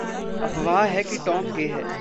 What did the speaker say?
अफवाह है कि टॉम गे है।